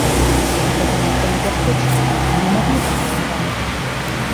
Гэта занадта небяспечна, мы не маглі так рызыкаваць!